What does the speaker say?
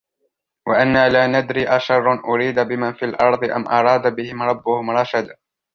وَأَنَّا لَا نَدْرِي أَشَرٌّ أُرِيدَ بِمَنْ فِي الْأَرْضِ أَمْ أَرَادَ بِهِمْ رَبُّهُمْ رَشَدًا